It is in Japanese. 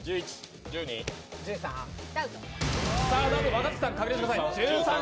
若槻さん確認してください。